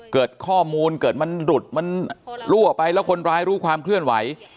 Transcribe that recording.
เกิดข้อมูลเกิดมันหลุดมันรั่วไปแล้วคนร้ายรู้ความเคลื่อนไหว